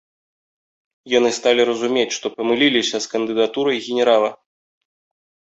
Яны сталі разумець, што памыліліся з кандыдатурай генерала.